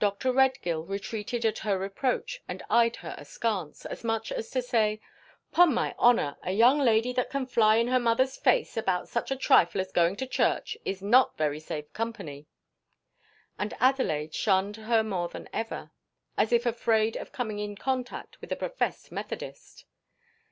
Dr. Redgill retreated at her approach and eyed her askance, as much as to say, "'Pon my honour, a young lady that can fly in her mother's face about such a trifle as going to church is not very safe company." And Adelaide shunned her more than ever, as if afraid of coming in contact with a professed Methodist.